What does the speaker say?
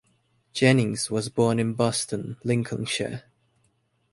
Jennings was born in Boston, Lincolnshire.